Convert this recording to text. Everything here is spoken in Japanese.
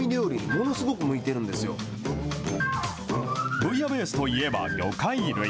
ブイヤベースといえば魚介類。